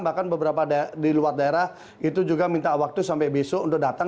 bahkan beberapa di luar daerah itu juga minta waktu sampai besok untuk datang